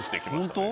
ホント？